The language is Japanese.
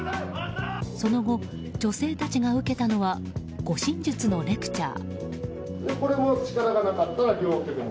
その後、女性たちが受けたのは護身術のレクチャー。